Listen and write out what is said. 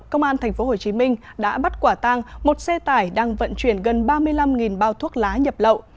công an tp hcm đã bắt quả tăng một xe tải đang vận chuyển gần ba mươi năm bao thuốc lá nhập lậu